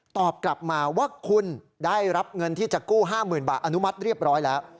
ตอบกลับมาว่าคุณได้รับเงินที่จะกู้๕๐๐๐บาทอนุมัติเรียบร้อยแล้ว